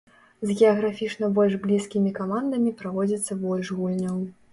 З геаграфічна больш блізкімі камандамі праводзіцца больш гульняў.